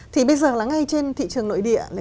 thì bây giờ là ngay trên thị trường nội địa